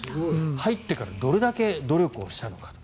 入ってからどれだけ努力をしたのか。